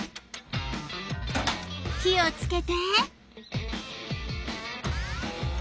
火をつけて。